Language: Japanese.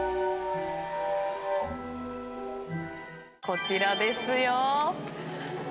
こちらですよ。